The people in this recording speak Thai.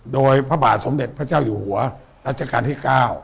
โดยพระบาทสมเด็จพระเจ้าอยู่หัวรัชกาลที่๙